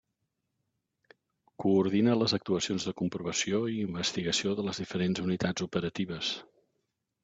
Coordina les actuacions de comprovació i investigació de les diferents unitats operatives.